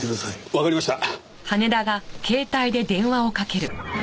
わかりました。